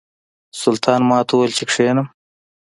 سلطان ماته وویل چې کښېنم.